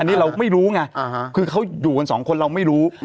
อันนี้เราไม่รู้ไงคือเขาอยู่กันสองคนเราไม่รู้